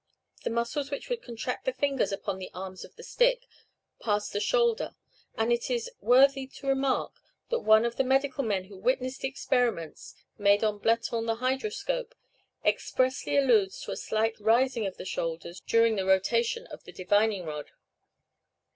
The muscles which would contract the fingers upon the arms of the stick, pass the shoulder; and it is worthy of remark that one of the medical men who witnessed the experiments made on Bleton the hydroscope, expressly alludes to a slight rising of the shoulders during the rotation of the divining rod.